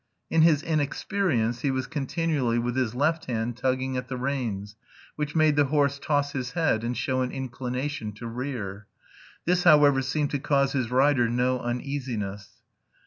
In his inexperience he was continually with his left hand tugging at the reins, which made the horse toss his head and show an inclination to rear. This, however, seemed to cause his rider no uneasiness.